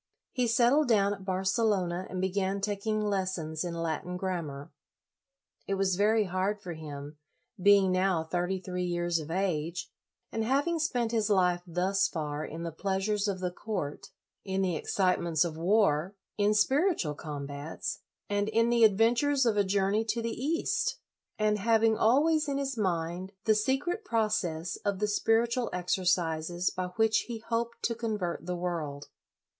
He settled down at Barcelona and began taking lessons in Latin grammar. It was very hard for him, being now thirty three years of age, and having spent his life thus far in the pleasures of the court, in the excite ments of war, in spiritual combats, and in the adventures of a journey to the East; and having always in his mind the secret process of the spiritual exercises by which he hoped to convert the world.